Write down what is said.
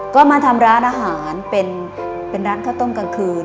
ก็มาทำร้านอาหารเป็นร้านข้าวต้มกลางคืน